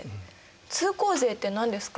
通行税って何ですか？